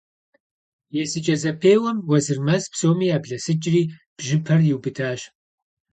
Есыкӏэ зэпеуэм Уэзырмэс псоми яблэсыкӏри бжьыпэр иубыдащ.